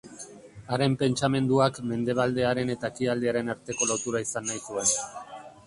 Haren pentsamenduak mendebaldearen eta ekialdearen arteko lotura izan nahi zuen.